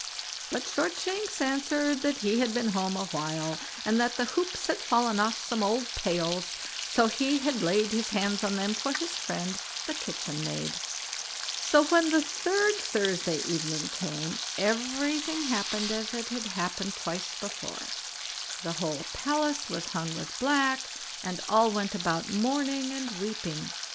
But Shortshanks answered that he had been home a while, and that the hoops had fallen off some old pails, so he had laid his hands on them for his friend the kitchen maid. So when the third Thursday evening came, everything happened as it had happened twice before; the whole palace was hung with black, and all went about mourning and weeping.